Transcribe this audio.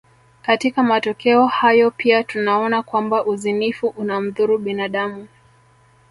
Katika matokeo hayo pia tunaona kwamba uzinifu unamdhuru binadamu